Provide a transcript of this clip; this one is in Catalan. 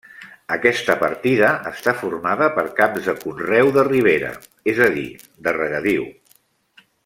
Aquesta partida està formada per camps de conreu de ribera, és a dir, de regadiu.